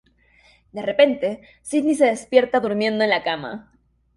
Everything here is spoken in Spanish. De repente, Sidney se despierta durmiendo en la cama.